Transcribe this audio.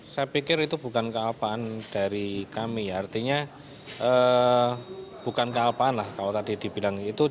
saya pikir itu bukan kealpaan dari kami artinya bukan kealpaan lah kalau tadi dibilang itu